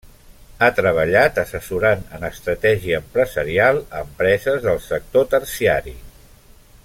Ha treballat assessorant en estratègia empresarial a empreses del sector terciari.